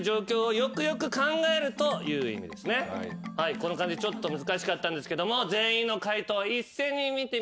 この漢字ちょっと難しかったんですけども全員の解答一斉に見てみましょう。